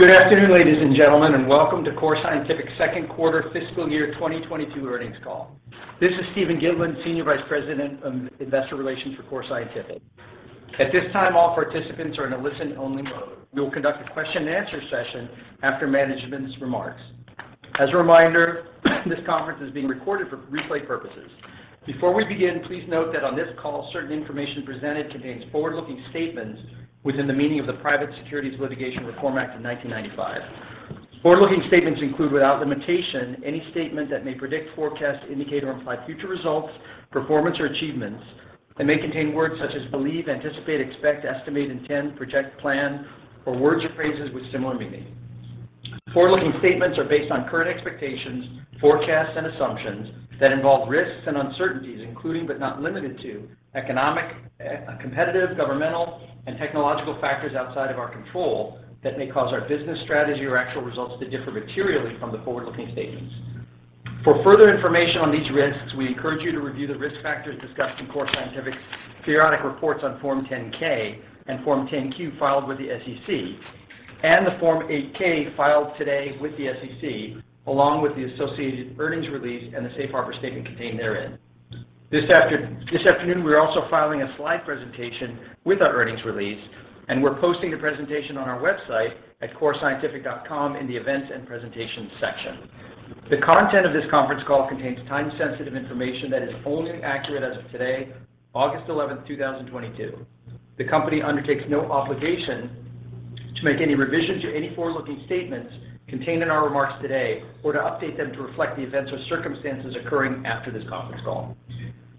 Good afternoon, ladies and gentlemen, and welcome to Core Scientific's second quarter fiscal year 2022 earnings call. This is Steven Gitlin, Senior Vice President of Investor Relations for Core Scientific. At this time, all participants are in a listen-only mode. We will conduct a question-and-answer session after management's remarks. As a reminder, this conference is being recorded for replay purposes. Before we begin, please note that on this call, certain information presented contains forward-looking statements within the meaning of the Private Securities Litigation Reform Act of 1995. Forward-looking statements include, without limitation, any statement that may predict, forecast, indicate, or imply future results, performance, or achievements that may contain words such as believe, anticipate, expect, estimate, intend, project, plan, or words or phrases with similar meaning. Forward-looking statements are based on current expectations, forecasts, and assumptions that involve risks and uncertainties, including, but not limited to economic, competitive, governmental, and technological factors outside of our control that may cause our business strategy or actual results to differ materially from the forward-looking statements. For further information on these risks, we encourage you to review the risk factors discussed in Core Scientific's periodic reports on Form 10-K and Form 10-Q filed with the SEC and the Form 8-K filed today with the SEC, along with the associated earnings release and the safe harbor statement contained therein. This afternoon, we're also filing a slide presentation with our earnings release, and we're posting the presentation on our website at corescientific.com in the Events and Presentations section. The content of this conference call contains time-sensitive information that is only accurate as of today, August 11, 2022. The company undertakes no obligation to make any revision to any forward-looking statements contained in our remarks today or to update them to reflect the events or circumstances occurring after this conference call.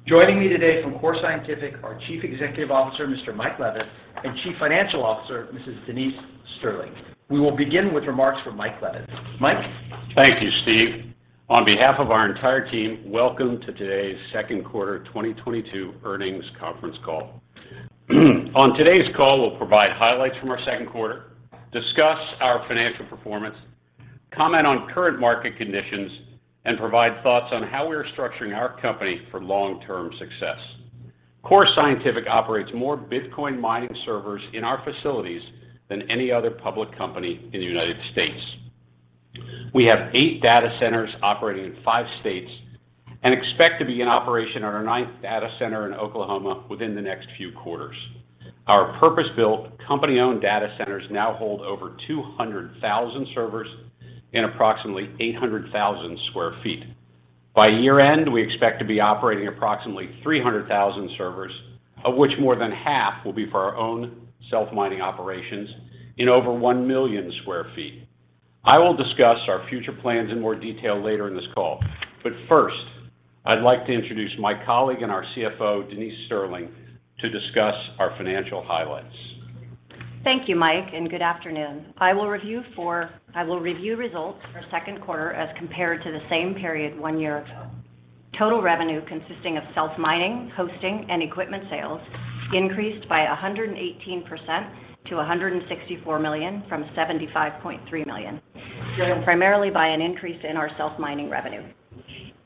Joining me today from Core Scientific are Chief Executive Officer, Mr. Mike Levitt, and Chief Financial Officer, Mrs. Denise Sterling. We will begin with remarks from Mike Levitt, Mike. Thank you, Steve. On behalf of our entire team, welcome to today's second quarter 2022 earnings conference call. On today's call, we'll provide highlights from our second quarter, discuss our financial performance, comment on current market conditions, and provide thoughts on how we are structuring our company for long-term success. Core Scientific operates more Bitcoin mining servers in our facilities than any other public company in the United States. We have eight data centers operating in five states and expect to be in operation on our ninth data center in Oklahoma within the next few quarters. Our purpose-built, company-owned data centers now hold over 200,000 servers in approximately 800,000 sq ft. By year-end, we expect to be operating approximately 300,000 servers, of which more than half will be for our own self-mining operations in over one million sq ft. I will discuss our future plans in more detail later in this call. First, I'd like to introduce my colleague and our CFO, Denise Sterling, to discuss our financial highlights. Thank you, Mike, and good afternoon. I will review results for second quarter as compared to the same period one year ago. Total revenue consisting of self-mining, hosting, and equipment sales increased by 118% to $164 million from $75.3 million, driven primarily by an increase in our self-mining revenue.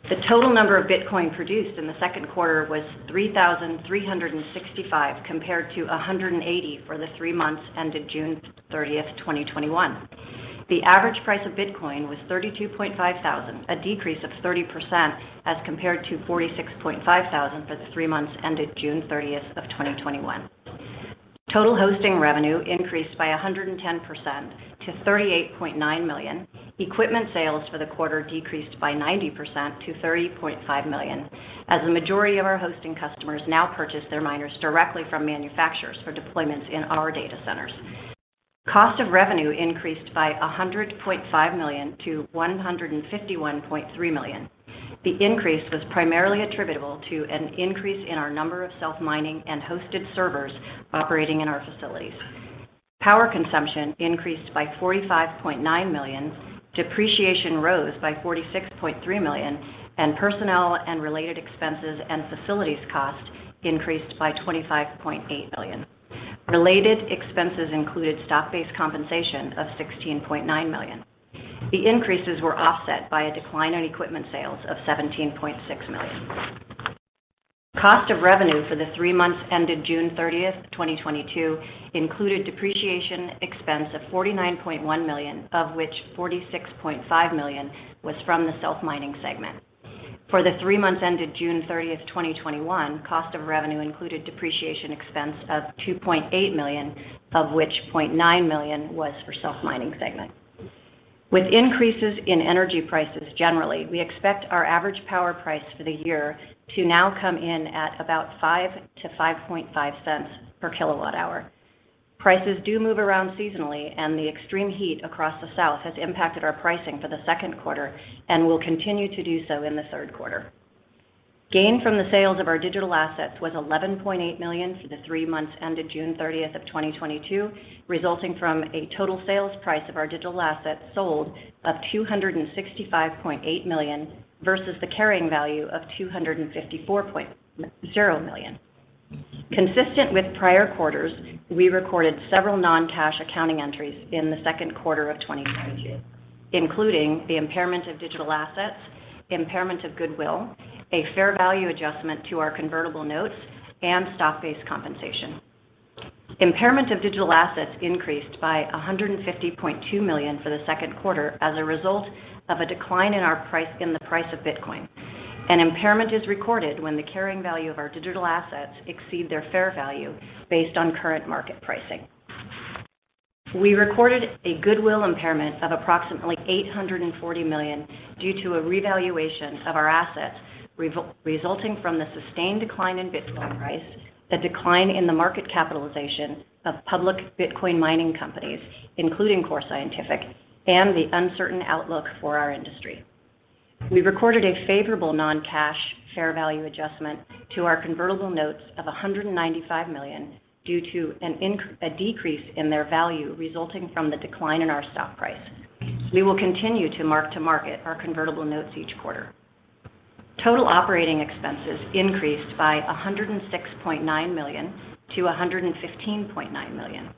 The total number of Bitcoin produced in the second quarter was 3,365 compared to 180 for the three months ended June 30, 2021. The average price of Bitcoin was $32,500, a decrease of 30% as compared to $46,500 for the three months ended June 30, 2021. Total hosting revenue increased by 110% to $38.9 million. Equipment sales for the quarter decreased by 90% to $30.5 million, as the majority of our hosting customers now purchase their miners directly from manufacturers for deployments in our data centers. Cost of revenue increased by $100.5 million to $151.3 million. The increase was primarily attributable to an increase in our number of self-mining and hosted servers operating in our facilities. Power consumption increased by $45.9 million, depreciation rose by $46.3 million, and personnel and related expenses and facilities cost increased by $25.8 million. Related expenses included stock-based compensation of $16.9 million. The increases were offset by a decline in equipment sales of $17.6 million. Cost of revenue for the three months ended June 30, 2022 included depreciation expense of $49.1 million, of which $46.5 million was from the self-mining segment. For the three months ended June 30, 2021, cost of revenue included depreciation expense of $2.8 million, of which $0.9 million was for self-mining segment. With increases in energy prices generally, we expect our average power price for the year to now come in at about $0.05-$0.055 per kWh. Prices do move around seasonally, and the extreme heat across the South has impacted our pricing for the second quarter and will continue to do so in the third quarter. Gain from the sales of our digital assets was $11.8 million for the three months ended June 30, 2022, resulting from a total sales price of our digital assets sold of $265.8 million versus the carrying value of $254.0 million. Consistent with prior quarters, we recorded several non-cash accounting entries in the second quarter of 2022, including the impairment of digital assets, impairment of goodwill, a fair value adjustment to our convertible notes and stock-based compensation. Impairment of digital assets increased by $150.2 million for the second quarter as a result of a decline in the price of Bitcoin. An impairment is recorded when the carrying value of our digital assets exceed their fair value based on current market pricing. We recorded a goodwill impairment of approximately $840 million due to a revaluation of our assets resulting from the sustained decline in Bitcoin price, the decline in the market capitalization of public Bitcoin mining companies, including Core Scientific, and the uncertain outlook for our industry. We recorded a favorable non-cash fair value adjustment to our convertible notes of $195 million due to a decrease in their value resulting from the decline in our stock price. We will continue to mark-to-market our convertible notes each quarter. Total operating expenses increased by $106.9 million to $115.9 million.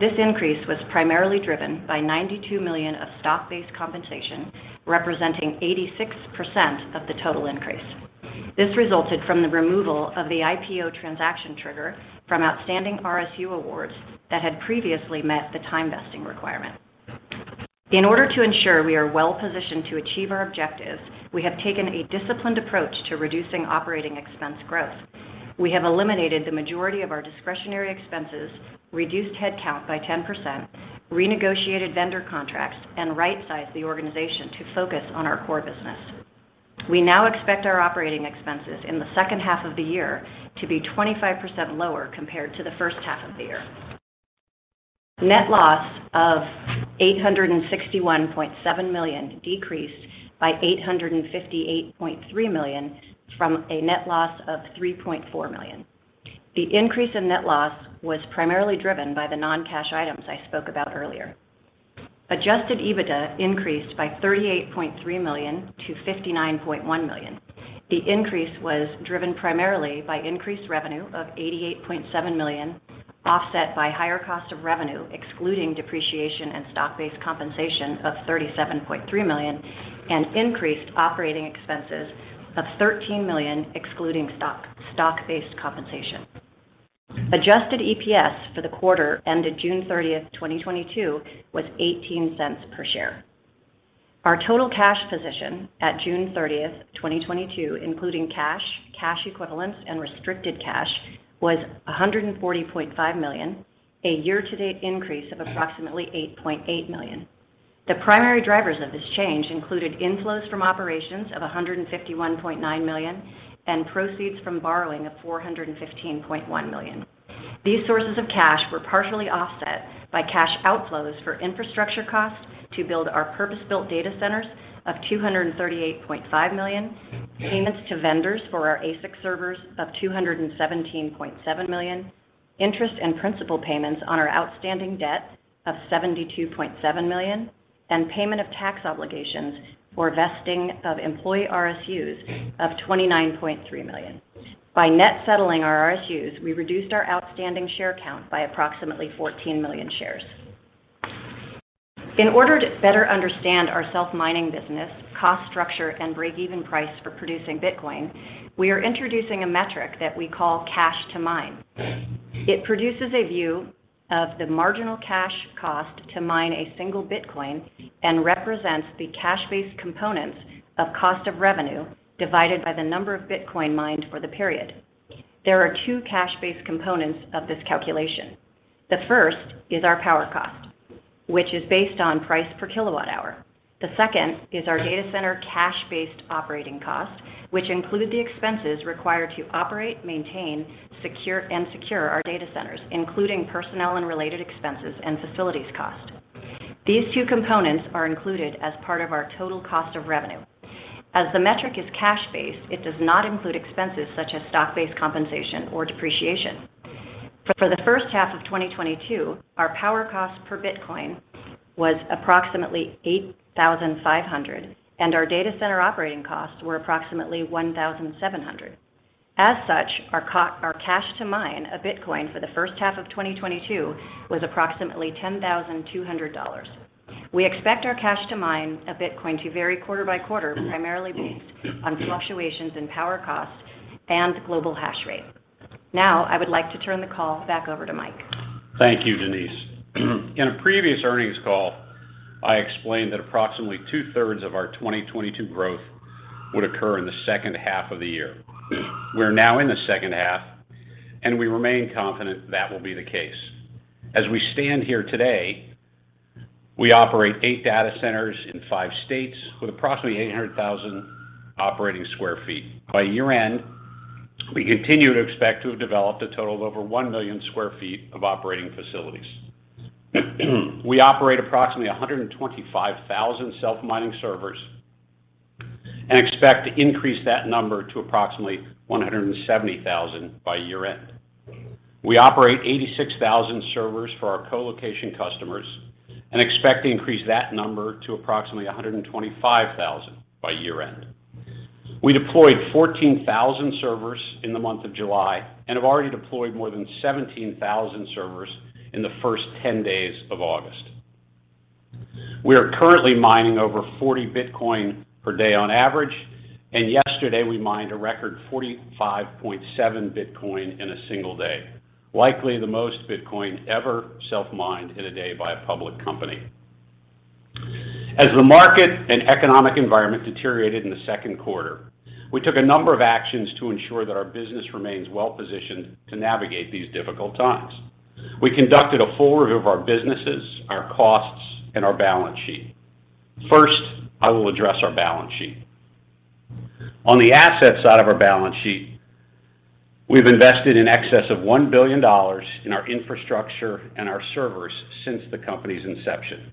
This increase was primarily driven by $92 million of stock-based compensation, representing 86% of the total increase. This resulted from the removal of the IPO transaction trigger from outstanding RSU awards that had previously met the time vesting requirement. In order to ensure we are well-positioned to achieve our objectives, we have taken a disciplined approach to reducing operating expense growth. We have eliminated the majority of our discretionary expenses, reduced headcount by 10%, renegotiated vendor contracts, and right-sized the organization to focus on our core business. We now expect our operating expenses in the second half of the year to be 25% lower compared to the first half of the year. Net loss of $861.7 million decreased by $858.3 million from a net loss of $3.4 million. The increase in net loss was primarily driven by the non-cash items I spoke about earlier. Adjusted EBITDA increased by $38.3 million to $59.1 million. The increase was driven primarily by increased revenue of $88.7 million, offset by higher cost of revenue, excluding depreciation and stock-based compensation of $37.3 million, and increased operating expenses of $13 million, excluding stock-based compensation. Adjusted EPS for the quarter ended June thirtieth, 2022, was $0.18 per share. Our total cash position at June thirtieth, 2022, including cash equivalents, and restricted cash, was $140.5 million, a year-to-date increase of approximately $8.8 million. The primary drivers of this change included inflows from operations of $151.9 million and proceeds from borrowing of $415.1 million. These sources of cash were partially offset by cash outflows for infrastructure costs to build our purpose-built data centers of $238.5 million, payments to vendors for our ASIC servers of $217.7 million, interest and principal payments on our outstanding debt of $72.7 million, and payment of tax obligations for vesting of employee RSUs of $29.3 million. By net settling our RSUs, we reduced our outstanding share count by approximately 14 million shares. In order to better understand our self-mining business cost structure and break-even price for producing Bitcoin, we are introducing a metric that we call cash to mine. It produces a view of the marginal cash cost to mine a single Bitcoin and represents the cash-based components of cost of revenue divided by the number of Bitcoin mined for the period. There are two cash-based components of this calculation. The first is our power cost, which is based on price per kilowatt-hour. The second is our data center cash-based operating cost, which include the expenses required to operate, maintain, secure, and secure our data centers, including personnel and related expenses and facilities cost. These two components are included as part of our total cost of revenue. As the metric is cash-based, it does not include expenses such as stock-based compensation or depreciation. For the first half of 2022, our power cost per Bitcoin was approximately $8,500, and our data center operating costs were approximately $1,700. As such, our cash to mine a Bitcoin for the first half of 2022 was approximately $10,200. We expect our cash to mine a Bitcoin to vary quarter by quarter, primarily based on fluctuations in power cost and global hash rate. Now I would like to turn the call back over to Mike. Thank you, Denise. In a previous earnings call, I explained that approximately two-thirds of our 2022 growth would occur in the second half of the year. We're now in the second half, and we remain confident that will be the case. As we stand here today, we operate eight data centers in five states with approximately 800,000 operating sq ft. By year-end, we continue to expect to have developed a total of over one million sq ft of operating facilities. We operate approximately 125,000 self-mining servers and expect to increase that number to approximately 170,000 by year-end. We operate 86,000 servers for our colocation customers and expect to increase that number to approximately 125,000 by year-end. We deployed 14,000 servers in the month of July and have already deployed more than 17,000 servers in the first 10 days of August. We are currently mining over 40 Bitcoin per day on average, and yesterday we mined a record 45.7 Bitcoin in a single day, likely the most Bitcoin ever self-mined in a day by a public company. As the market and economic environment deteriorated in the second quarter, we took a number of actions to ensure that our business remains well-positioned to navigate these difficult times. We conducted a full review of our businesses, our costs, and our balance sheet. First, I will address our balance sheet. On the asset side of our balance sheet, we've invested in excess of $1 billion in our infrastructure and our servers since the company's inception.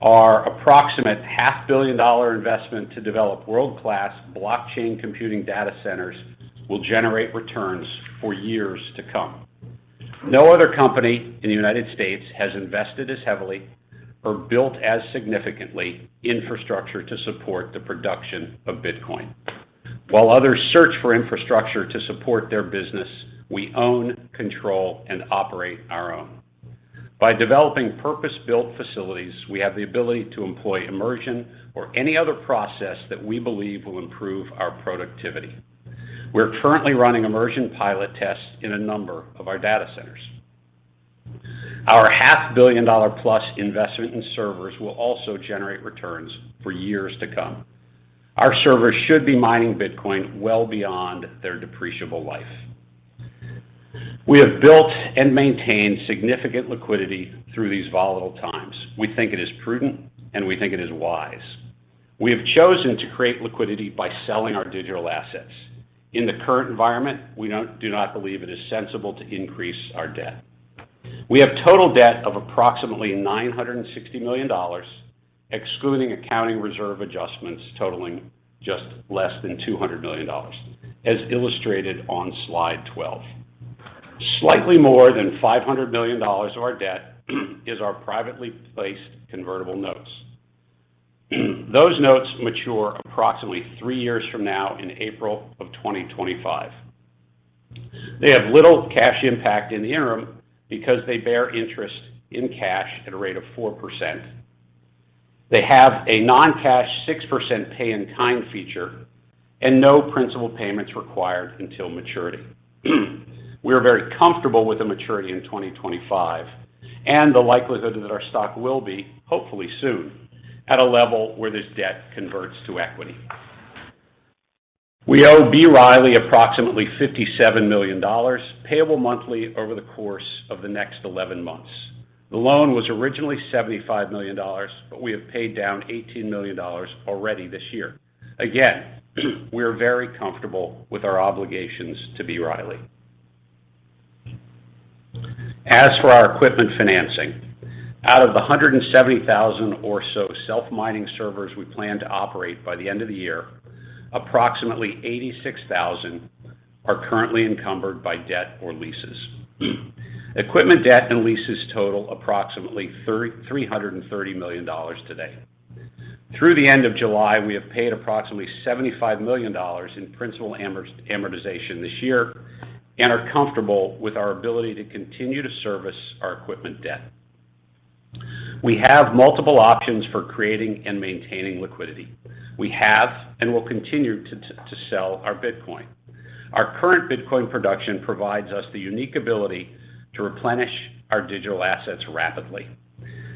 Our approximate half-billion-dollar investment to develop world-class blockchain computing data centers will generate returns for years to come. No other company in the United States has invested as heavily or built as significant infrastructure to support the production of Bitcoin. While others search for infrastructure to support their business, we own, control, and operate our own. By developing purpose-built facilities, we have the ability to employ immersion or any other process that we believe will improve our productivity. We are currently running immersion pilot tests in a number of our data centers. Our half-billion-dollar-plus investment in servers will also generate returns for years to come. Our servers should be mining Bitcoin well beyond their depreciable life. We have built and maintained significant liquidity through these volatile times. We think it is prudent, and we think it is wise. We have chosen to create liquidity by selling our digital assets. In the current environment, we do not believe it is sensible to increase our debt. We have total debt of approximately $960 million, excluding accounting reserve adjustments totaling just less than $200 million, as illustrated on slide 12. Slightly more than $500 million of our debt is our privately placed convertible notes. Those notes mature approximately three years from now in April of 2025. They have little cash impact in the interim because they bear interest in cash at a rate of 4%. They have a non-cash 6% pay-in-kind feature and no principal payments required until maturity. We are very comfortable with the maturity in 2025 and the likelihood that our stock will be, hopefully soon, at a level where this debt converts to equity. We owe B. Riley approximately $57 million, payable monthly over the course of the next 11 months. The loan was originally $75 million, but we have paid down $18 million already this year. Again, we are very comfortable with our obligations to B. Riley. As for our equipment financing, out of the 170,000 or so self-mining servers we plan to operate by the end of the year, approximately 86,000 are currently encumbered by debt or leases. Equipment debt and leases total approximately $330 million today. Through the end of July, we have paid approximately $75 million in principal amortization this year and are comfortable with our ability to continue to service our equipment debt. We have multiple options for creating and maintaining liquidity. We have and will continue to sell our Bitcoin. Our current Bitcoin production provides us the unique ability to replenish our digital assets rapidly.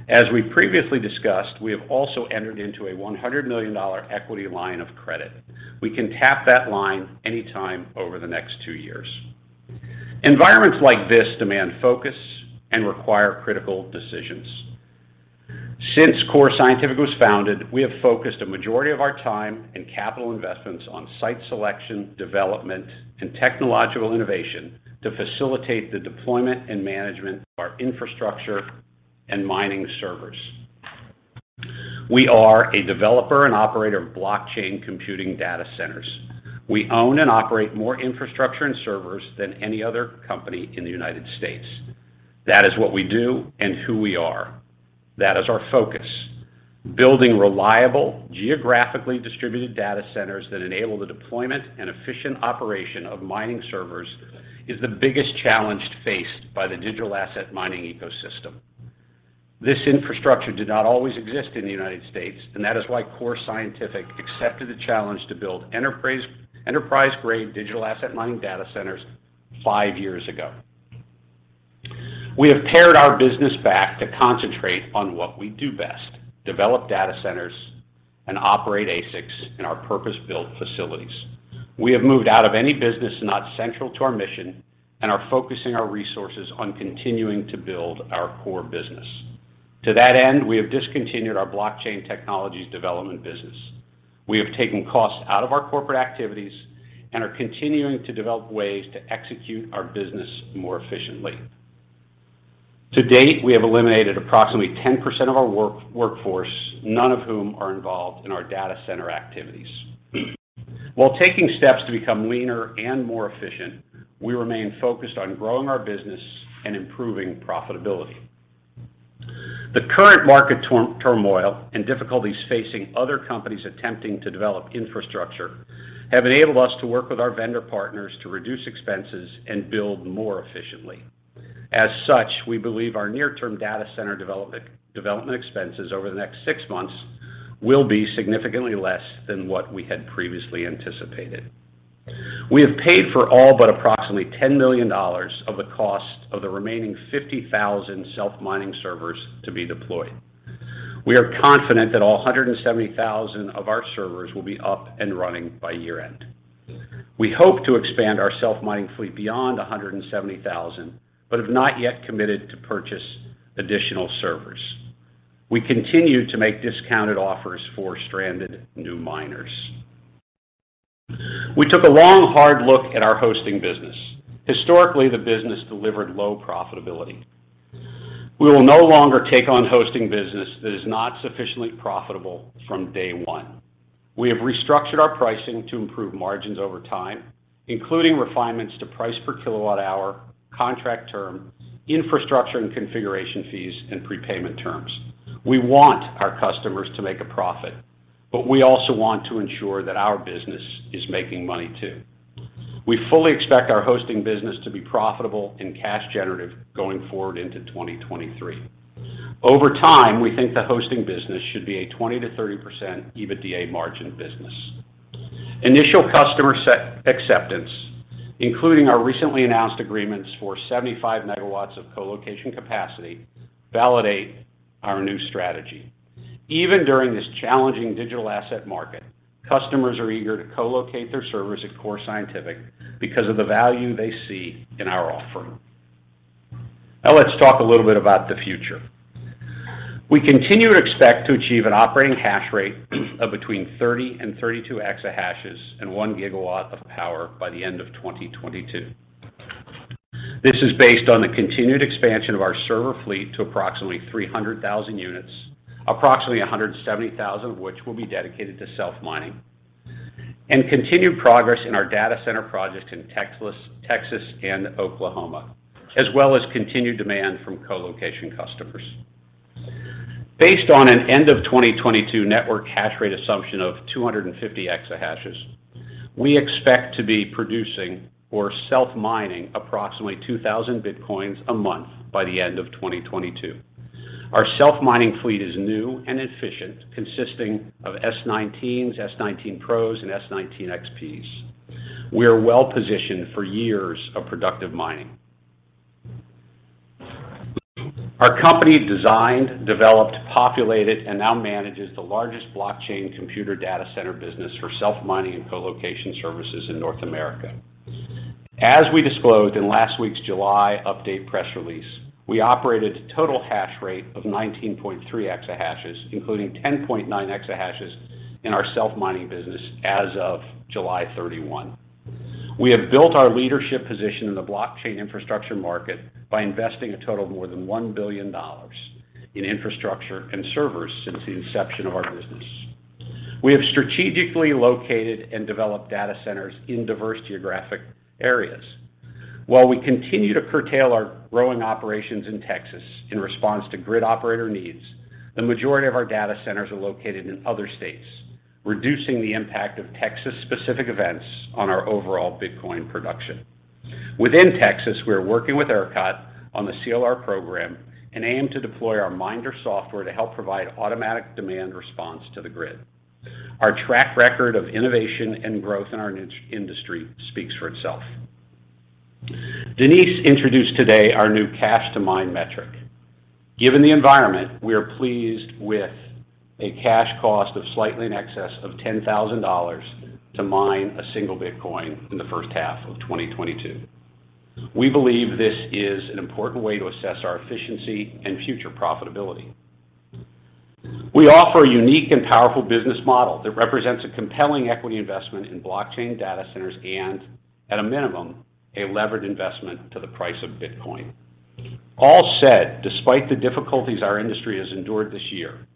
As we previously discussed, we have also entered into a $100 million equity line of credit. We can tap that line anytime over the next two years. Environments like this demand focus and require critical decisions. Since Core Scientific was founded, we have focused a majority of our time and capital investments on site selection, development, and technological innovation to facilitate the deployment and management of our infrastructure and mining servers. We are a developer and operator of blockchain computing data centers. We own and operate more infrastructure and servers than any other company in the United States. That is what we do and who we are. That is our focus. Building reliable, geographically distributed data centers that enable the deployment and efficient operation of mining servers is the biggest challenge faced by the digital asset mining ecosystem. This infrastructure did not always exist in the United States, and that is why Core Scientific accepted the challenge to build enterprise-grade digital asset mining data centers five years ago. We have pared our business back to concentrate on what we do best, develop data centers and operate ASICs in our purpose-built facilities. We have moved out of any business not central to our mission and are focusing our resources on continuing to build our core business. To that end, we have discontinued our blockchain technologies development business. We have taken costs out of our corporate activities and are continuing to develop ways to execute our business more efficiently. To date, we have eliminated approximately 10% of our workforce, none of whom are involved in our data center activities. While taking steps to become leaner and more efficient, we remain focused on growing our business and improving profitability. The current market turmoil and difficulties facing other companies attempting to develop infrastructure have enabled us to work with our vendor partners to reduce expenses and build more efficiently. As such, we believe our near-term data center development expenses over the next six months will be significantly less than what we had previously anticipated. We have paid for all but approximately $10 million of the cost of the remaining 50,000 self-mining servers to be deployed. We are confident that all 170,000 of our servers will be up and running by year-end. We hope to expand our self-mining fleet beyond 170,000, but have not yet committed to purchase additional servers. We continue to make discounted offers for stranded new miners. We took a long, hard look at our hosting business. Historically, the business delivered low profitability. We will no longer take on hosting business that is not sufficiently profitable from day one. We have restructured our pricing to improve margins over time, including refinements to price per kilowatt hour, contract term, infrastructure and configuration fees, and prepayment terms. We want our customers to make a profit, but we also want to ensure that our business is making money too. We fully expect our hosting business to be profitable and cash generative going forward into 2023. Over time, we think the hosting business should be a 20%-30% EBITDA margin business. Initial customer set acceptance, including our recently announced agreements for 75 MW of colocation capacity, validate our new strategy. Even during this challenging digital asset market, customers are eager to colocate their servers at Core Scientific because of the value they see in our offering. Now let's talk a little bit about the future. We continue to expect to achieve an operating hash rate of between 30 and 32 exahashes and 1 GW of power by the end of 2022. This is based on the continued expansion of our server fleet to approximately 300,000 units, approximately 170,000 of which will be dedicated to self-mining, and continued progress in our data center project in Texas and Oklahoma, as well as continued demand from colocation customers. Based on an end of 2022 network hash rate assumption of 250 exahashes, we expect to be producing or self-mining approximately 2,000 Bitcoins a month by the end of 2022. Our self-mining fleet is new and efficient, consisting of S19s, S19 Pros, and S19 XPs. We are well positioned for years of productive mining. Our company designed, developed, populated, and now manages the largest blockchain computer data center business for self-mining and colocation services in North America. As we disclosed in last week's July update press release, we operated total hash rate of 19.3 exahashes, including 10.9 exahashes in our self-mining business as of July 31. We have built our leadership position in the blockchain infrastructure market by investing a total of more than $1 billion in infrastructure and servers since the inception of our business. We have strategically located and developed data centers in diverse geographic areas. While we continue to curtail our growing operations in Texas in response to grid operator needs, the majority of our data centers are located in other states, reducing the impact of Texas-specific events on our overall Bitcoin production. Within Texas, we are working with ERCOT on the CLR program and aim to deploy our Minder software to help provide automatic demand response to the grid. Our track record of innovation and growth in our industry speaks for itself. Denise introduced today our new cash to mine metric. Given the environment, we are pleased with a cash cost of slightly in excess of $10,000 to mine a single Bitcoin in the first half of 2022. We believe this is an important way to assess our efficiency and future profitability. We offer a unique and powerful business model that represents a compelling equity investment in blockchain data centers and, at a minimum, a levered investment to the price of Bitcoin. All said, despite the difficulties our industry has endured this year,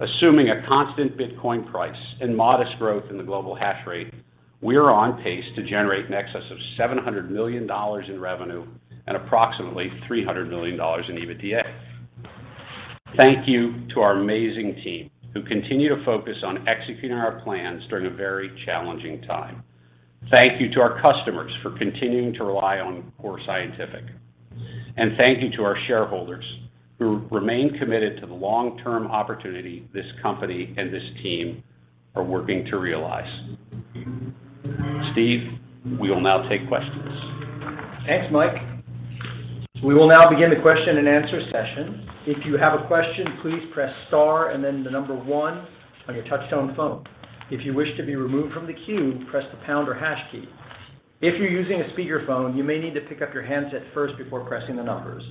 assuming a constant Bitcoin price and modest growth in the global hash rate, we are on pace to generate in excess of $700 million in revenue and approximately $300 million in EBITDA. Thank you to our amazing team, who continue to focus on executing our plans during a very challenging time. Thank you to our customers for continuing to rely on Core Scientific. Thank you to our shareholders who remain committed to the long-term opportunity this company and this team are working to realize. Steve, we will now take questions. Thanks, Mike. We will now begin the question and answer session. If you have a question, please press star and then the number one on your touch-tone phone. If you wish to be removed from the queue, press the pound or hash key. If you're using a speakerphone, you may need to pick up your handset first before pressing the numbers.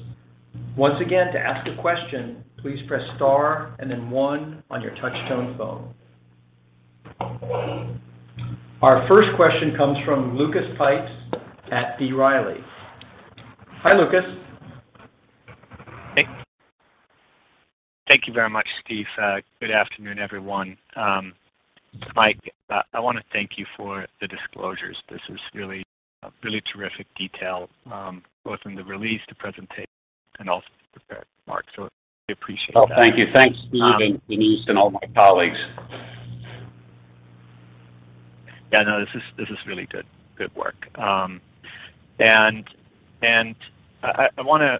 Once again, to ask a question, please press star and then one on your touch-tone phone. Our first question comes from Lucas Pipes at B. Riley. Hi, Lucas?. Thank you very much, Steve. Good afternoon everyone?. Mike, I wanna thank you for the disclosures. This is really a really terrific detail, both in the release, the presentation, and also the prepared remarks, so we appreciate that. Oh, thank you. Thanks, Steve, and Denise, and all my colleagues. Yeah, no, this is really good work. I wanna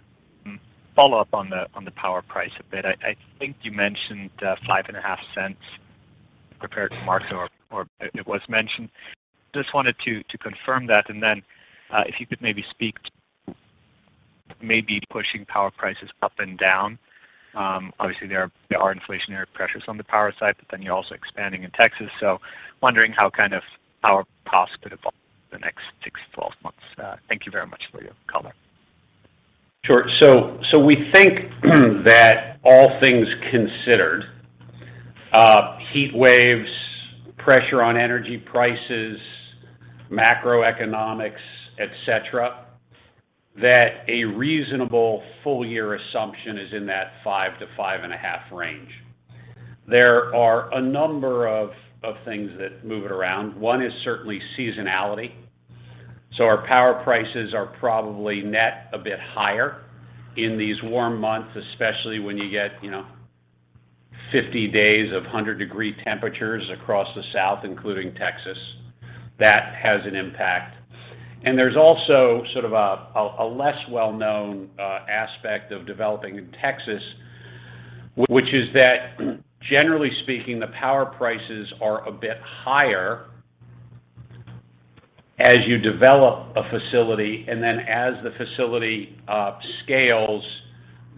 follow up on the power price a bit. I think you mentioned $0.055 prepared remarks or it was mentioned. Just wanted to confirm that, and then if you could maybe speak to maybe pushing power prices up and down. Obviously, there are inflationary pressures on the power side, but then you're also expanding in Texas, so wondering how kind of power costs could evolve in the next six to 12 months. Thank you very much for your color. Sure. We think that all things considered, heat waves, pressure on energy prices, macroeconomics, et cetera, that a reasonable full year assumption is in that 5-5.5 range. There are a number of things that move it around. One is certainly seasonality. Our power prices are probably net a bit higher in these warm months, especially when you get, you know, 50 days of 100-degree temperatures across the South, including Texas. That has an impact. There's also sort of a less well-known aspect of developing in Texas, which is that, generally speaking, the power prices are a bit higher as you develop a facility, and then as the facility scales,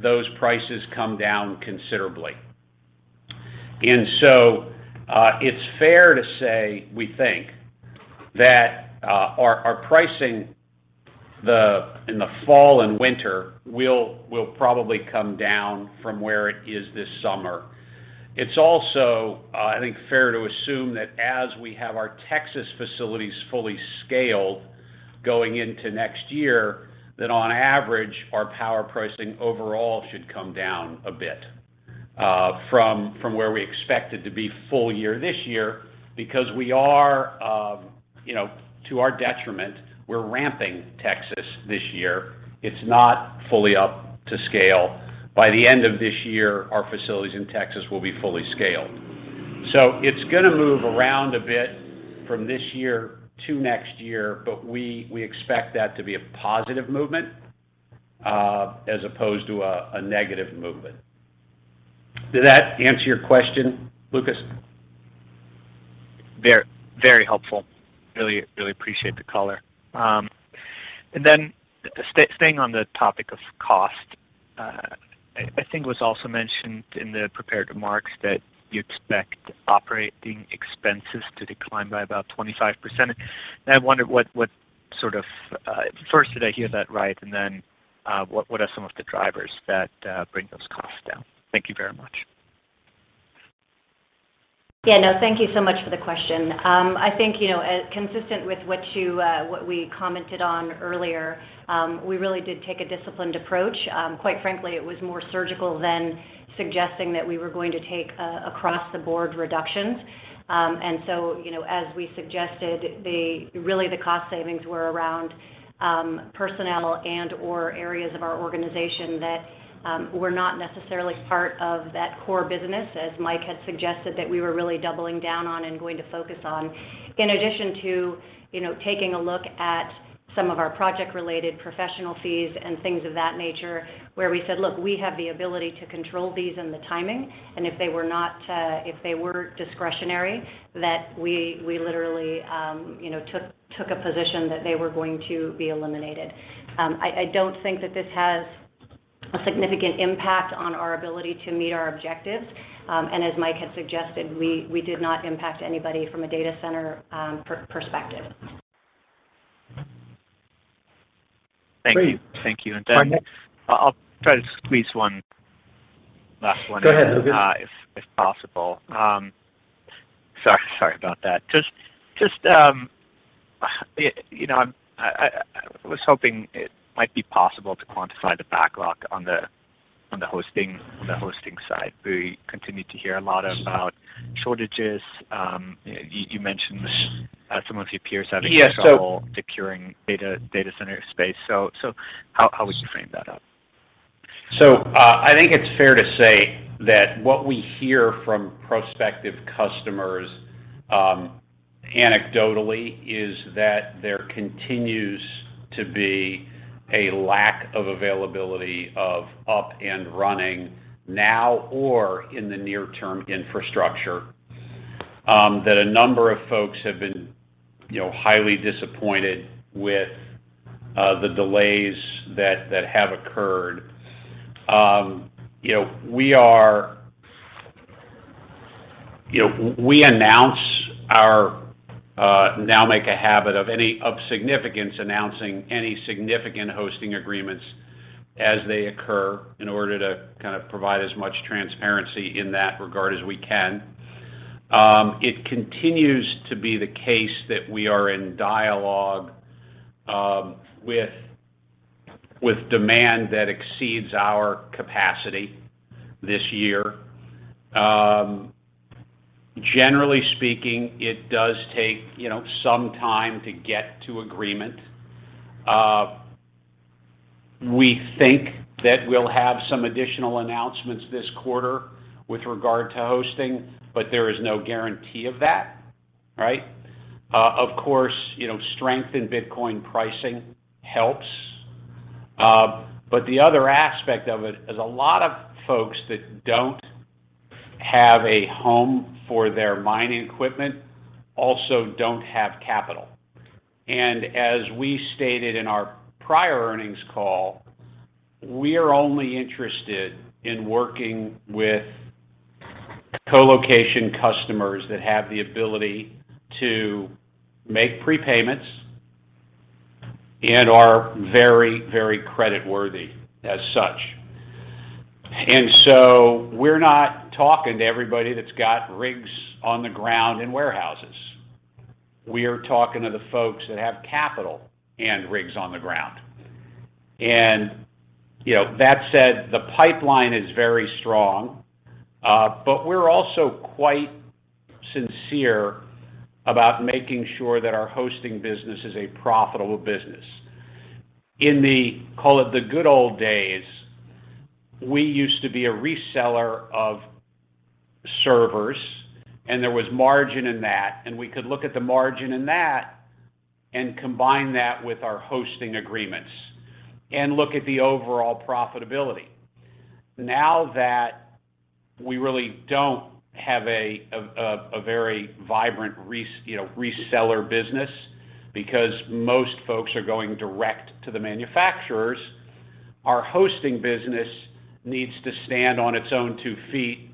those prices come down considerably. It's fair to say we think that our pricing in the fall and winter will probably come down from where it is this summer. It's also, I think, fair to assume that as we have our Texas facilities fully scaled going into next year, that on average, our power pricing overall should come down a bit from where we expect it to be full year this year because we are, you know, to our detriment, we're ramping Texas this year. It's not fully up to scale. By the end of this year, our facilities in Texas will be fully scaled. It's gonna move around a bit from this year to next year, but we expect that to be a positive movement as opposed to a negative movement. Did that answer your question, Lucas? Very helpful. Really appreciate the color. Staying on the topic of cost, I think it was also mentioned in the prepared remarks that you expect operating expenses to decline by about 25%. I wonder what sort of... First, did I hear that right? Then, what are some of the drivers that bring those costs down? Thank you very much. Yeah. No, thank you so much for the question. I think, you know, consistent with what you, what we commented on earlier, we really did take a disciplined approach. Quite frankly, it was more surgical than suggesting that we were going to take, across-the-board reductions. You know, as we suggested, really, the cost savings were around personnel and/or areas of our organization that were not necessarily part of that core business, as Mike had suggested, that we were really doubling down on and going to focus on. In addition to, you know, taking a look at some of our project-related professional fees and things of that nature, where we said, "Look, we have the ability to control these and the timing." If they were discretionary, that we literally, you know, took a position that they were going to be eliminated. I don't think that this has a significant impact on our ability to meet our objectives. As Mike had suggested, we did not impact anybody from a data center perspective. Great. Thank you. My next- I'll try to squeeze one last one in. Go ahead, Lucas. If possible. Sorry about that. Just, you know, I was hoping it might be possible to quantify the backlog on the hosting side. We continue to hear a lot about shortages. You mentioned some of your peers having trouble. Yes. securing data center space. How would you frame that up? I think it's fair to say that what we hear from prospective customers, anecdotally, is that there continues to be a lack of availability of up and running now or in the near-term infrastructure. That a number of folks have been, you know, highly disappointed with the delays that have occurred. You know, we now make a habit of announcing any significant hosting agreements as they occur in order to kind of provide as much transparency in that regard as we can. It continues to be the case that we are in dialogue with demand that exceeds our capacity this year. Generally speaking, it does take, you know, some time to get to agreement. We think that we'll have some additional announcements this quarter with regard to hosting, but there is no guarantee of that, right? Of course, you know, strength in Bitcoin pricing helps. But the other aspect of it is a lot of folks that don't have a home for their mining equipment also don't have capital. We stated in our prior earnings call, we are only interested in working with colocation customers that have the ability to make prepayments and are very, very creditworthy as such. We're not talking to everybody that's got rigs on the ground in warehouses. We are talking to the folks that have capital and rigs on the ground. You know, that said, the pipeline is very strong, but we're also quite sincere about making sure that our hosting business is a profitable business. In the call it the good old days, we used to be a reseller of servers, and there was margin in that, and we could look at the margin in that and combine that with our hosting agreements and look at the overall profitability. Now that we really don't have a very vibrant, you know, reseller business because most folks are going direct to the manufacturers, our hosting business needs to stand on its own two feet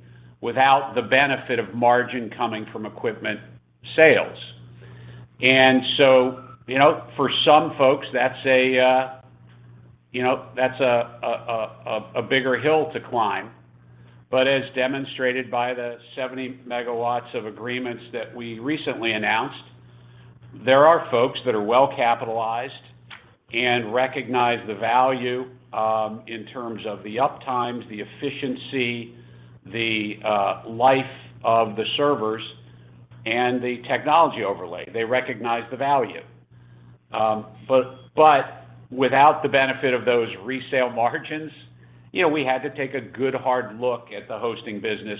without the benefit of margin coming from equipment sales. You know, for some folks, that's a bigger hill to climb. As demonstrated by the 70 MW of agreements that we recently announced, there are folks that are well-capitalized and recognize the value in terms of the uptimes, the efficiency, the life of the servers, and the technology overlay. They recognize the value. Without the benefit of those resale margins, you know, we had to take a good hard look at the hosting business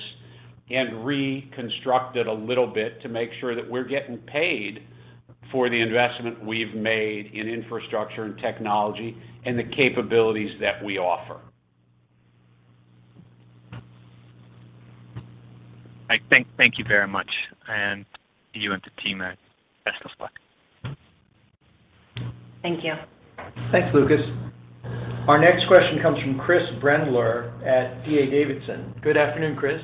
and reconstruct it a little bit to make sure that we're getting paid for the investment we've made in infrastructure and technology and the capabilities that we offer. Mike, thank you very much, and to you and the team there, best of luck. Thank you. Thanks, Lucas. Our next question comes from Chris Brendler at D.A. Davidson. Good afternoon Chris?.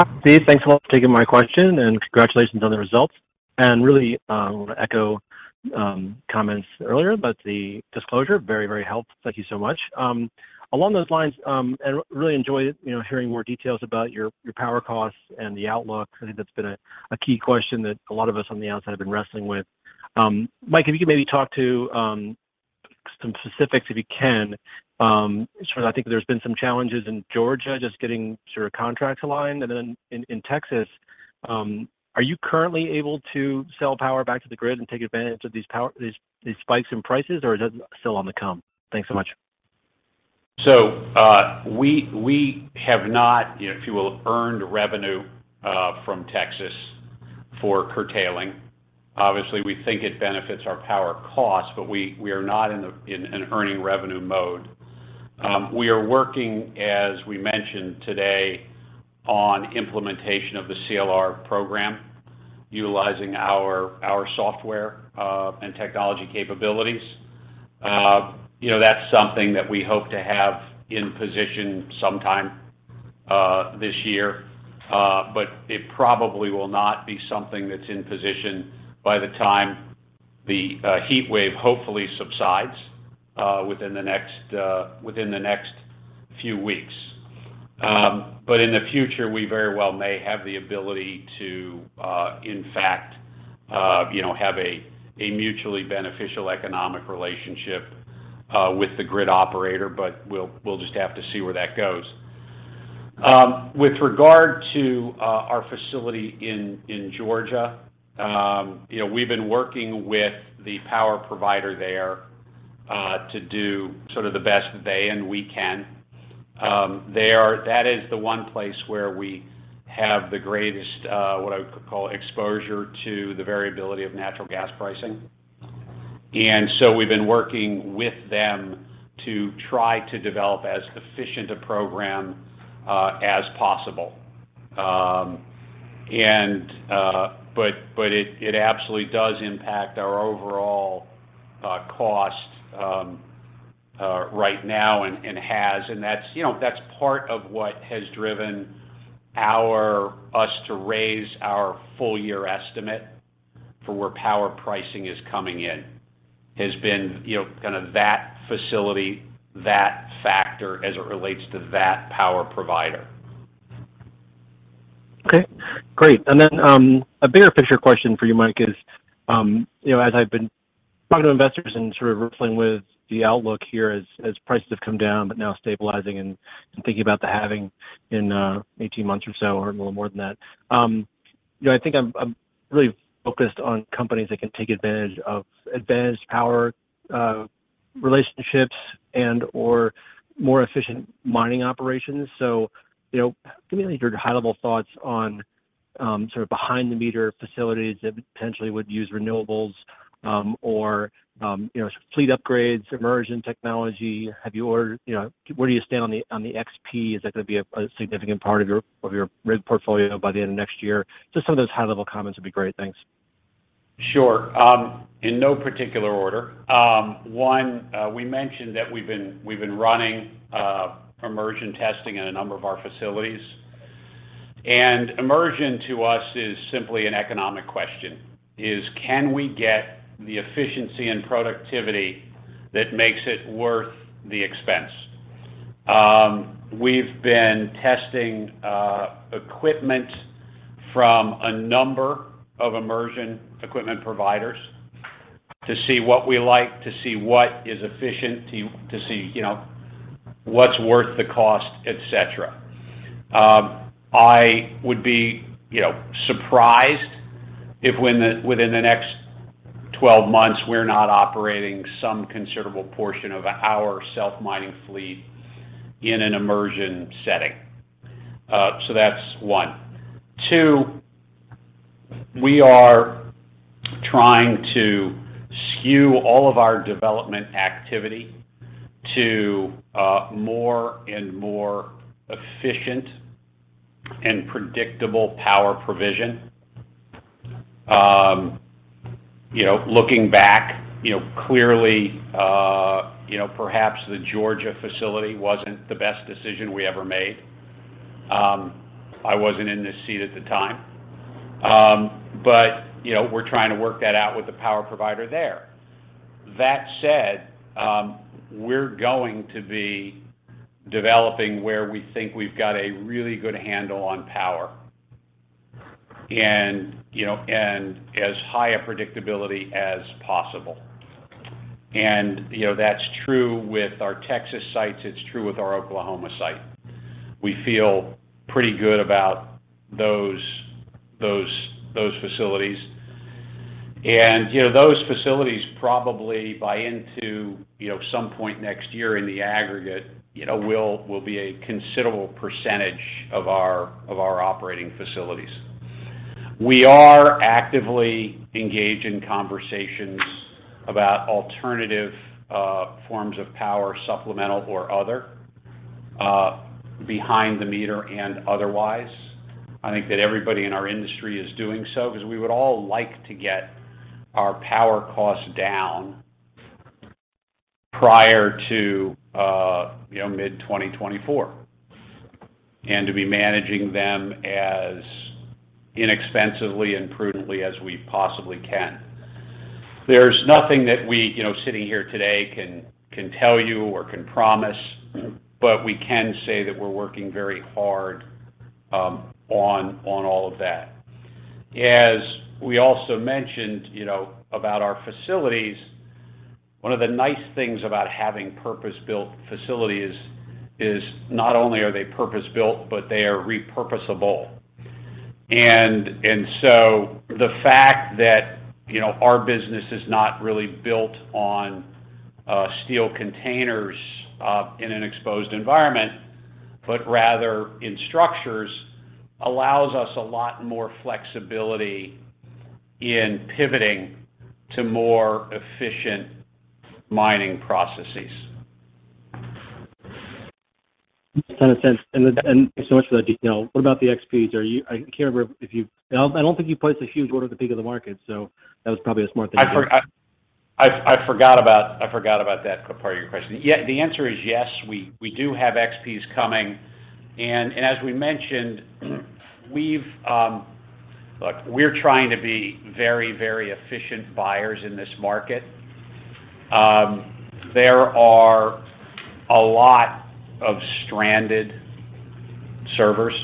Hi, Steve. Thanks a lot for taking my question, and congratulations on the results. Really want to echo comments earlier about the disclosure. Very, very helpful. Thank you so much. Along those lines, really enjoy, you know, hearing more details about your power costs and the outlook. I think that's been a key question that a lot of us on the outside have been wrestling with. Mike, if you could maybe talk to some specifics, if you can. Sort of I think there's been some challenges in Georgia just getting sort of contracts aligned. Then in Texas, are you currently able to sell power back to the grid and take advantage of these spikes in prices, or is it still on the come? Thanks so much. We have not, if you will, earned revenue from Texas for curtailing. Obviously, we think it benefits our power costs, but we are not in an earning revenue mode. We are working, as we mentioned today, on implementation of the CLR program utilizing our software and technology capabilities. You know, that's something that we hope to have in position sometime this year, but it probably will not be something that's in position by the time the heatwave hopefully subsides within the next few weeks. In the future, we very well may have the ability to in fact you know have a mutually beneficial economic relationship with the grid operator, but we'll just have to see where that goes. With regard to our facility in Georgia, you know, we've been working with the power provider there to do sort of the best they and we can. That is the one place where we have the greatest what I would call exposure to the variability of natural gas pricing. We've been working with them to try to develop as efficient a program as possible. But it absolutely does impact our overall cost right now and has. That's, you know, that's part of what has driven us to raise our full year estimate for where power pricing is coming in, has been, you know, kind of that facility, that factor as it relates to that power provider. Okay, great. A bigger picture question for you, Mike, is, you know, as I've been talking to investors and sort of riffling with the outlook here as prices have come down but now stabilizing and thinking about the halving in 18 months or so, or a little more than that, you know, I think I'm really focused on companies that can take advantage of advanced power relationships and/or more efficient mining operations. You know, give me your high-level thoughts on sort of behind-the-meter facilities that potentially would use renewables, or you know, fleet upgrades, immersion technology. You know, where do you stand on the XPs? Is that going to be a significant part of your rig portfolio by the end of next year? Just some of those high-level comments would be great. Thanks. Sure. In no particular order, one, we mentioned that we've been running immersion testing in a number of our facilities. Immersion to us is simply an economic question, can we get the efficiency and productivity that makes it worth the expense? We've been testing equipment from a number of immersion equipment providers to see what we like, to see what is efficient, to see, you know, what's worth the cost, et cetera. I would be, you know, surprised if within the next 12 months, we're not operating some considerable portion of our self-mining fleet in an immersion setting. That's one. Two, we are trying to skew all of our development activity to more and more efficient and predictable power provision. You know, looking back, you know, clearly, you know, perhaps the Georgia facility wasn't the best decision we ever made. I wasn't in this seat at the time. You know, we're trying to work that out with the power provider there. That said, we're going to be developing where we think we've got a really good handle on power and, you know, and as high a predictability as possible. You know, that's true with our Texas sites. It's true with our Oklahoma site. We feel pretty good about those facilities. You know, those facilities probably by some point next year in the aggregate, you know, will be a considerable percentage of our operating facilities. We are actively engaged in conversations about alternative forms of power, supplemental or other, behind-the-meter and otherwise. I think that everybody in our industry is doing so because we would all like to get our power costs down prior to, you know, mid-2024, and to be managing them as inexpensively and prudently as we possibly can. There's nothing that we, you know, sitting here today can tell you or can promise, but we can say that we're working very hard on all of that. As we also mentioned, you know, about our facilities, one of the nice things about having purpose-built facilities is not only are they purpose-built, but they are repurposable. The fact that, you know, our business is not really built on steel containers in an exposed environment, but rather in structures, allows us a lot more flexibility in pivoting to more efficient mining processes. That makes a ton of sense. Thanks so much for that detail. What about the XPs? I don't think you placed a huge order at the peak of the market, so that was probably a smart thing to do. I forgot about that part of your question. Yeah, the answer is yes, we do have XPs coming. As we mentioned. Look, we're trying to be very efficient buyers in this market. There are a lot of stranded servers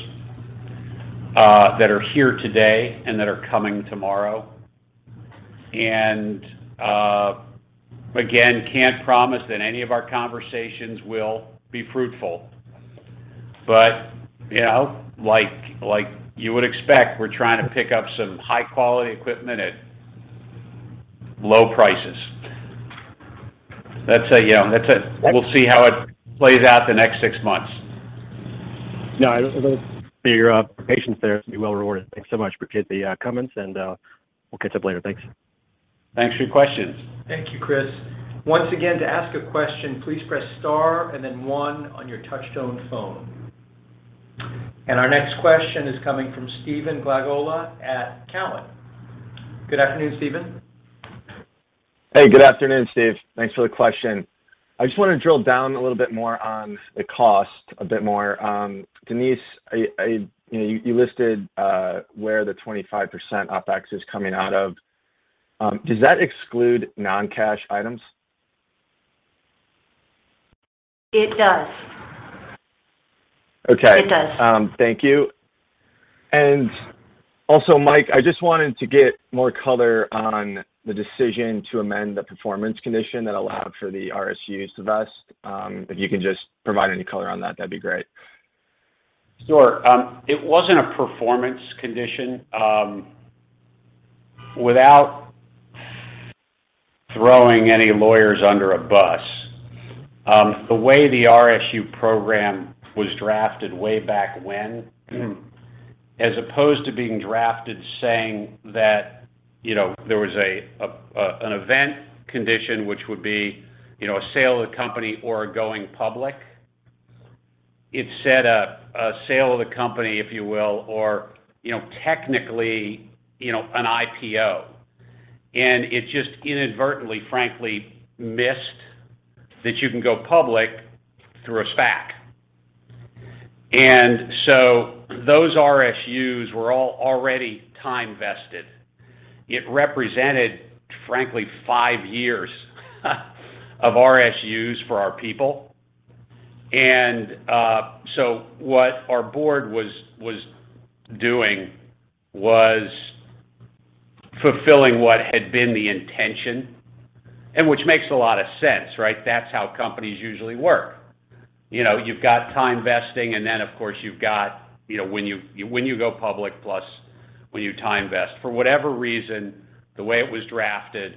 that are here today and that are coming tomorrow. Again, can't promise that any of our conversations will be fruitful. You know, like you would expect, we're trying to pick up some high-quality equipment at low prices. We'll see how it plays out the next six months. No, those. Your patience there will be well rewarded. Thanks so much for the comments, and we'll catch up later. Thanks. Thanks for your questions. Thank you, Chris. Once again, to ask a question, please press star and then one on your touchtone phone. Our next question is coming from Stephen Glagola at Cowen. Good afternoon Stephen?. Hey, good afternoon, Steve. Thanks for the question. I just want to drill down a little bit more on the cost. Denise, you know, you listed where the 25% OpEx is coming out of. Does that exclude non-cash items? It does. Okay. It does. Thank you. Also, Mike, I just wanted to get more color on the decision to amend the performance condition that allowed for the RSUs to vest. If you can just provide any color on that'd be great. Sure. It wasn't a performance condition. Without throwing any lawyers under a bus, the way the RSU program was drafted way back when, as opposed to being drafted saying that, you know, there was an event condition, which would be, you know, a sale of the company or going public, it set up a sale of the company, if you will, or, you know, technically, you know, an IPO. It just inadvertently, frankly, missed that you can go public through a SPAC. Those RSUs were all already time vested. It represented, frankly, five years of RSUs for our people. What our board was doing was fulfilling what had been the intention, and which makes a lot of sense, right? That's how companies usually work. You know, you've got time vesting, and then of course you've got, you know, when you go public plus when you time vest. For whatever reason, the way it was drafted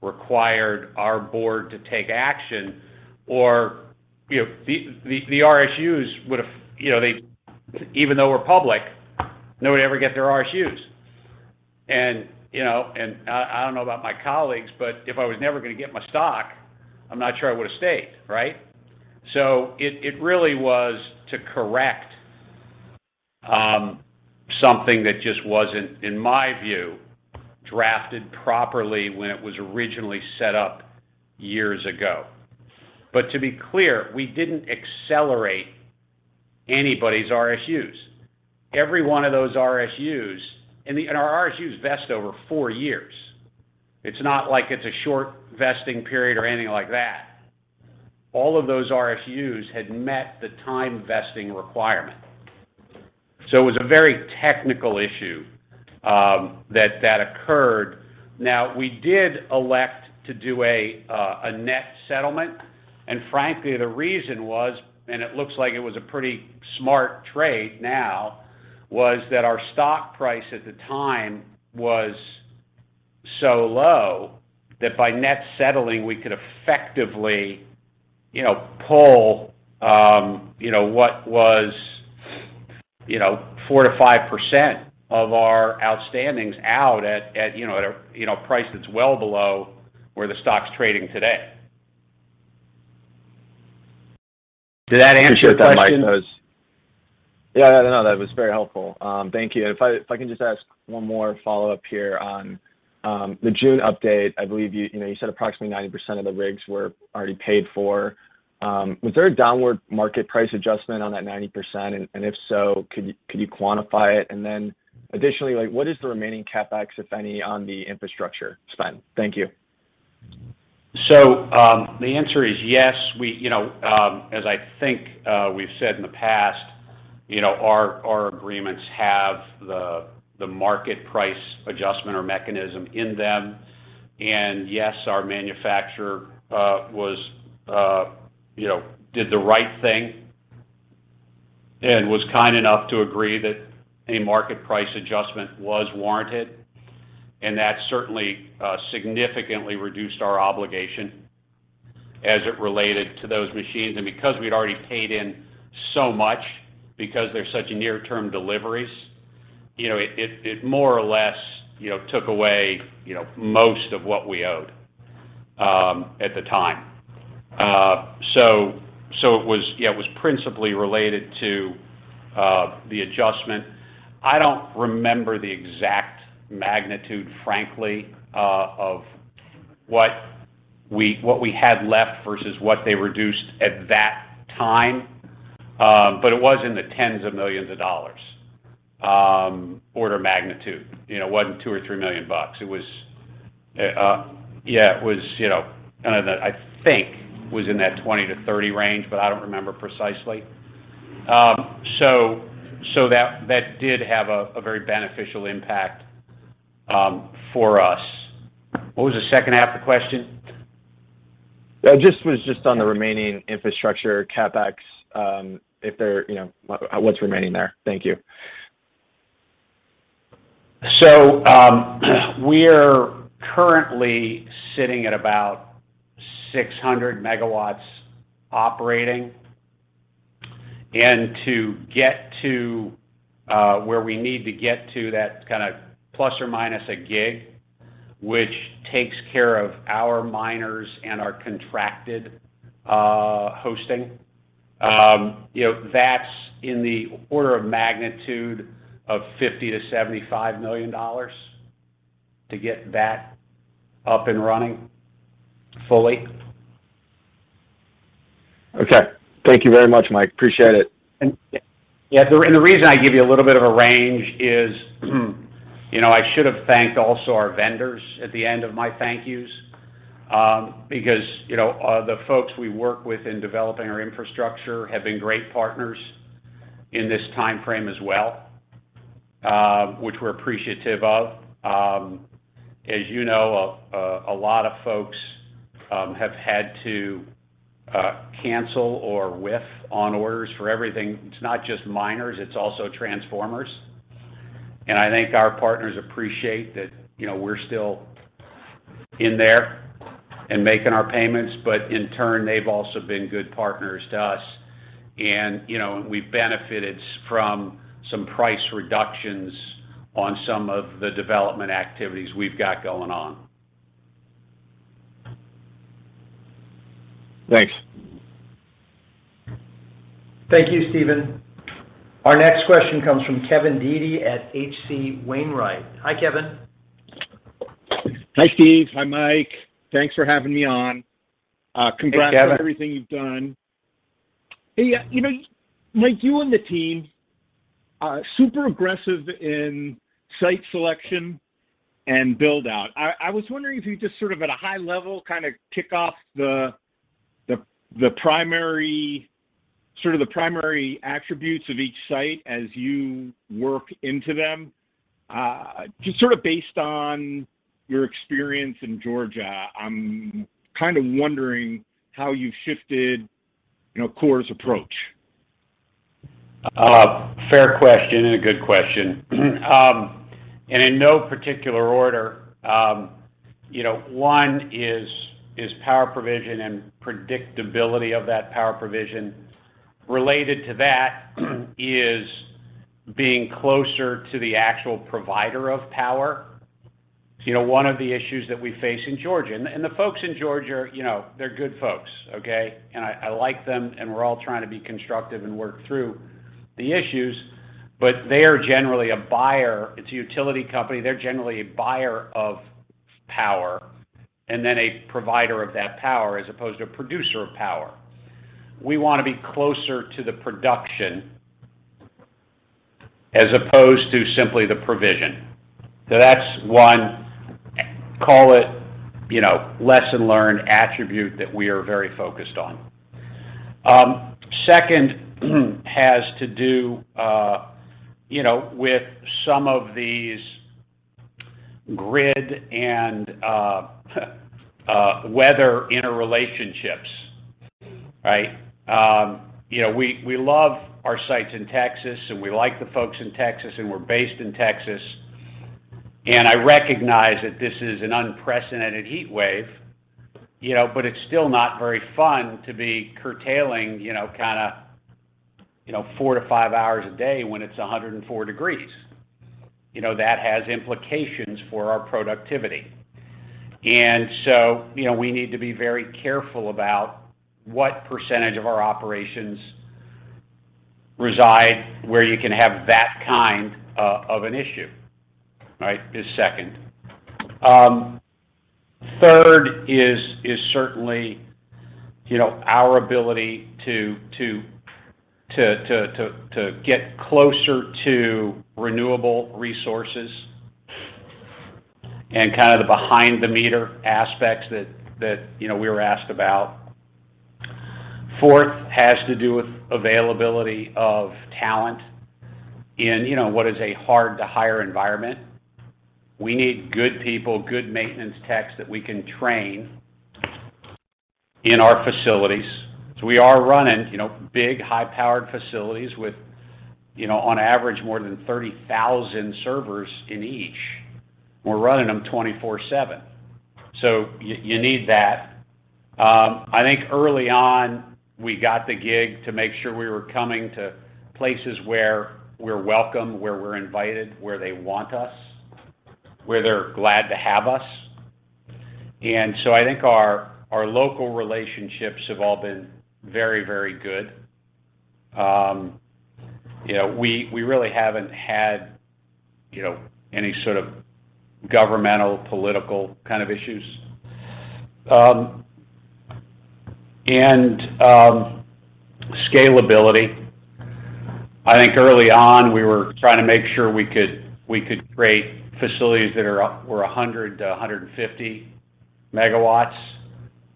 required our board to take action or, you know, the RSUs would have, you know, even though we're public, nobody would ever get their RSUs. You know, I don't know about my colleagues, but if I was never gonna get my stock, I'm not sure I would have stayed, right? It really was to correct something that just wasn't, in my view, drafted properly when it was originally set up years ago. But to be clear, we didn't accelerate anybody's RSUs. Every one of those RSUs. Our RSUs vest over four years. It's not like it's a short vesting period or anything like that. All of those RSUs had met the time vesting requirement. It was a very technical issue that occurred. Now, we did elect to do a net settlement. Frankly, the reason was, and it looks like it was a pretty smart trade now, was that our stock price at the time was so low that by net settling, we could effectively, you know, pull, you know, what was, you know, 4%-5% of our outstandings out at, you know, at a, you know, price that's well below where the stock's trading today. Did that answer your question? Appreciate that, Mike. That was. Yeah, no, that was very helpful. Thank you. If I can just ask one more follow-up here on the June update. I believe you know, you said approximately 90% of the rigs were already paid for. Was there a downward market price adjustment on that 90%? And if so, could you quantify it? And then additionally, like, what is the remaining CapEx, if any, on the infrastructure spend? Thank you. The answer is yes. We, you know, as I think, we've said in the past, you know, our agreements have the market price adjustment or mechanism in them. Yes, our manufacturer was, you know, did the right thing and was kind enough to agree that a market price adjustment was warranted. That certainly significantly reduced our obligation as it related to those machines. Because we'd already paid in so much because they're such near-term deliveries, you know, it more or less, you know, took away, you know, most of what we owed at the time. It was, yeah, it was principally related to the adjustment. I don't remember the exact magnitude, frankly, of what we had left versus what they reduced at that time. It was in the tens of millions of dollars, order of magnitude. You know, it wasn't $2 or $3 million bucks. It was, you know, I think it was in that $20-$30 million range, but I don't remember precisely. That did have a very beneficial impact for us. What was the second half of the question? Was just on the remaining infrastructure CapEx, if there, you know, what's remaining there. Thank you. We're currently sitting at about 600 MW operating. To get to where we need to get to, that kind of ±1 GW, which takes care of our miners and our contracted hosting, you know, that's in the order of magnitude of $50-$75 million to get that up and running fully. Okay. Thank you very much, Mike. Appreciate it. The reason I give you a little bit of a range is, you know, I should have thanked also our vendors at the end of my thank yous, because, you know, the folks we work with in developing our infrastructure have been great partners in this time frame as well, which we're appreciative of. As you know, a lot of folks have had to cancel or whiff on orders for everything. It's not just miners, it's also transformers. You know, we've benefited from some price reductions on some of the development activities we've got going on. Thanks. Thank you, Steven. Our next question comes from Kevin Dede at H.C. Wainwright. Hi Kevin?. Hi, Steve. Hi, Mike. Thanks for having me on. Congrats. Hey, Kevin. On everything you've done. Hey, you know, Mike, you and the team are super aggressive in site selection and buildout. I was wondering if you could just sort of at a high level kind of kick off sort of the primary attributes of each site as you work into them. Just sort of based on your experience in Georgia, I'm kind of wondering how you shifted, you know, Core's approach. Fair question, and a good question. In no particular order, you know, one is power provision and predictability of that power provision. Related to that is being closer to the actual provider of power. You know, one of the issues that we face in Georgia, and the folks in Georgia are, you know, they're good folks, okay? I like them, and we're all trying to be constructive and work through the issues, but they are generally a buyer. It's a utility company. They're generally a buyer of power and then a provider of that power as opposed to a producer of power. We want to be closer to the production as opposed to simply the provision. That's one, call it, you know, lesson learned attribute that we are very focused on. Second has to do, you know, with some of these grid and weather interrelationships, right? You know, we love our sites in Texas, and we like the folks in Texas, and we're based in Texas. I recognize that this is an unprecedented heatwave, you know, but it's still not very fun to be curtailing, you know, kinda, you know, four-five hours a day when it's 104 degrees. You know, that has implications for our productivity. You know, we need to be very careful about what percentage of our operations reside where you can have that kind of an issue, right? Is second. Third is certainly, you know, our ability to get closer to renewable resources and kind of the behind-the-meter aspects that, you know, we were asked about. Fourth has to do with availability of talent in, you know, what is a hard-to-hire environment. We need good people, good maintenance techs that we can train in our facilities. We are running, you know, big, high-powered facilities with, you know, on average more than 30,000 servers in each. We're running them 24/7. You need that. I think early on, we got the gig to make sure we were coming to places where we're welcome, where we're invited, where they want us, where they're glad to have us. I think our local relationships have all been very, very good. You know, we really haven't had you know, any sort of governmental, political kind of issues. Scalability. I think early on, we were trying to make sure we could create facilities that were 100-150 MW.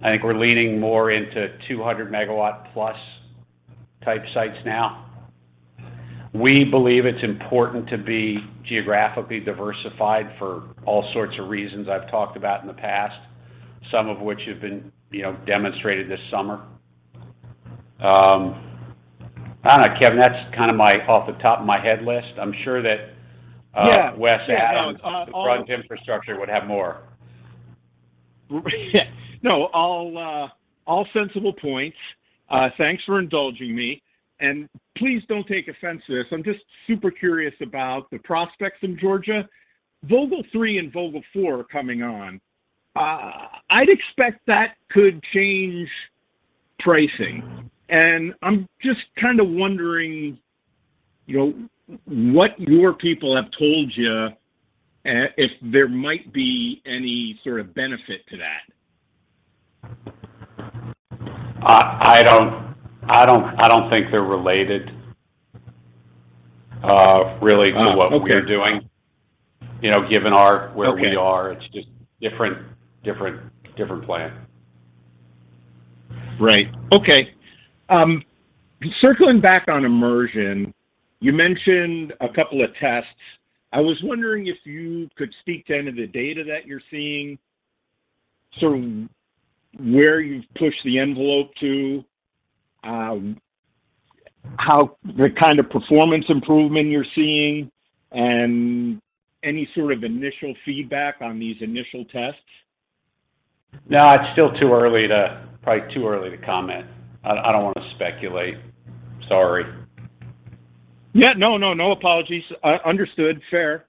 I think we're leaning more into 200-MW plus type sites now. We believe it's important to be geographically diversified for all sorts of reasons I've talked about in the past, some of which have been, you know, demonstrated this summer. I don't know, Kevin, that's kind of my off the top of my head list. I'm sure that. Yeah. Yeah. No. Wes Adams of the Foundry Infrastructure would have more. No. All sensible points. Thanks for indulging me. Please don't take offense to this. I'm just super curious about the prospects in Georgia. Vogtle Three and Vogtle Four are coming on. I'd expect that could change pricing. I'm just kind of wondering, you know, what your people have told you, if there might be any sort of benefit to that. I don't think they're related really to what we're doing. Oh, okay. You know, given our Okay. Where we are, it's just different plan. Right. Okay. Circling back on immersion, you mentioned a couple of tests. I was wondering if you could speak to any of the data that you're seeing, sort of where you've pushed the envelope to, the kind of performance improvement you're seeing, and any sort of initial feedback on these initial tests. No, it's still probably too early to comment. I don't want to speculate. Sorry. Yeah. No apologies. Understood. Fair.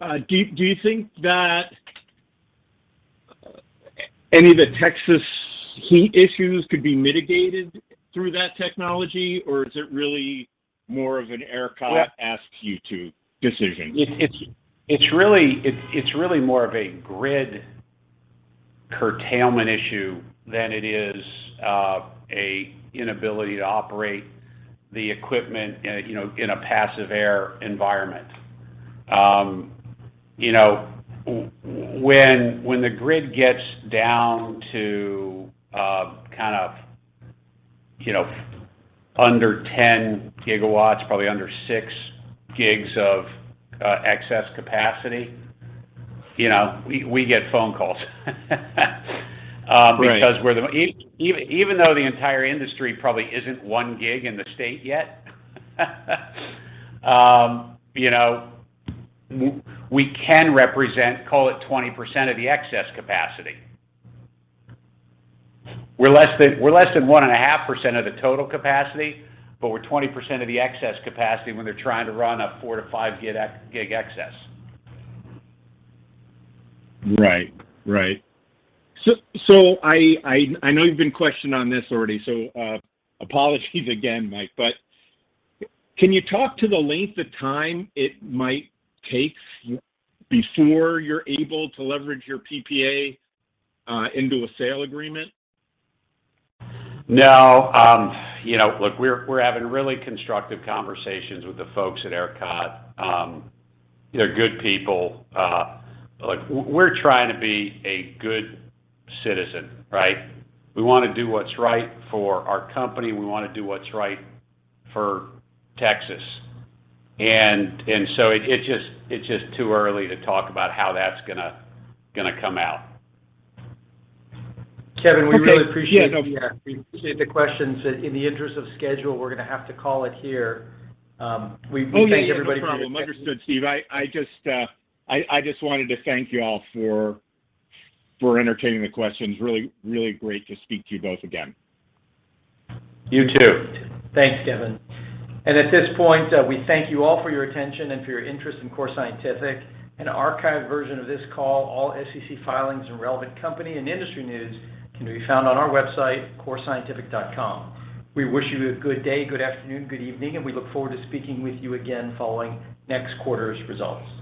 Do you think that any of the Texas heat issues could be mitigated through that technology, or is it really more of an ERCOT asks you to decision? It's really more of a grid curtailment issue than it is an inability to operate the equipment, you know, in a passive air environment. You know, when the grid gets down to, kind of, you know, under 10 gigawatts, probably under six GW of excess capacity, you know, we get phone calls. Right. Even though the entire industry probably isn't 1 GW in the state yet, you know, we can represent, call it, 20% of the excess capacity. We're less than 1.5% of the total capacity, but we're 20% of the excess capacity when they're trying to run a four-five GW excess. Right. I know you've been questioned on this already, so apologies again, Mike. Can you talk to the length of time it might take before you're able to leverage your PPA into a sale agreement? No. You know, look, we're having really constructive conversations with the folks at ERCOT. They're good people. Look, we're trying to be a good citizen, right? We wanna do what's right for our company. We wanna do what's right for Texas. So it's just too early to talk about how that's gonna come out. Okay. Yeah. Kevin, we really appreciate the questions. In the interest of schedule, we're gonna have to call it here. We thank everybody for their Oh, yeah. No problem. Understood, Steve. I just wanted to thank you all for entertaining the questions. Really, really great to speak to you both again. You too. Thanks, Kevin. At this point, we thank you all for your attention and for your interest in Core Scientific. An archived version of this call, all SEC filings, and relevant company and industry news can be found on our website, corescientific.com. We wish you a good day, good afternoon, good evening, and we look forward to speaking with you again following next quarter's results.